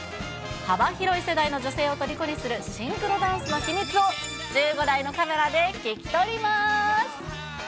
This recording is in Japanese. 幅広い世代の女性をとりこにするシンクロダンスの秘密を、１５台のカメラで聞き撮ります。